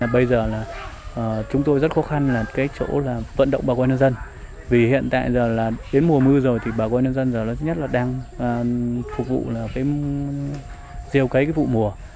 bây giờ là chúng tôi rất khó khăn là cái chỗ là vận động bảo quan nhân dân vì hiện tại giờ là đến mùa mưa rồi thì bảo quan nhân dân giờ nó nhất là đang phục vụ là cái rêu cấy cái vụ mùa